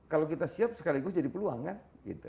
kalau kita siap sekaligus jadi peluang kan